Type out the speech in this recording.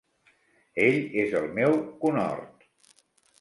Ell és el meu conhort.